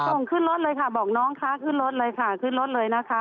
ส่งขึ้นรถเลยค่ะบอกน้องคะขึ้นรถเลยค่ะขึ้นรถเลยนะคะ